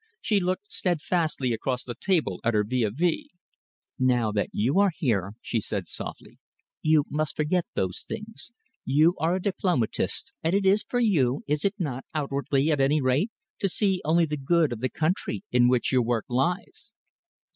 She looked steadfastly across the table at her vis à vis. "Now that you are here," she said softly, "you must forget those things. You are a diplomatist, and it is for you, is it not, outwardly, at any rate, to see only the good of the country in which your work lies."